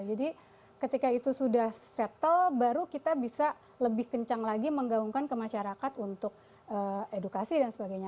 jadi ketika itu sudah settle baru kita bisa lebih kencang lagi menggaungkan ke masyarakat untuk edukasi dan sebagainya